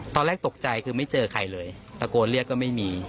ตอนแรกตกใจคือไม่เจอใครเลยตะโกนเรียกก็ไม่มี